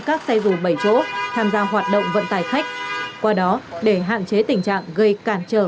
các xe rù bay chỗ tham gia hoạt động vận tải khách qua đó để hạn chế tình trạng gây cantrở